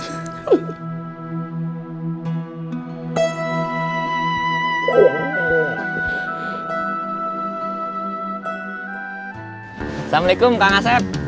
assalamualaikum kang aset